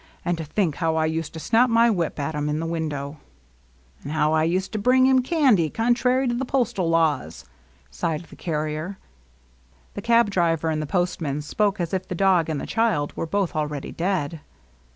" And to think how I used to snap my whip at 'em in the window 1 "^' An' how I used to bring him candy, contrary to the postal laws !" sighed the carrier. The cab driver and the postman spoke as if the dog and the child were both already dead.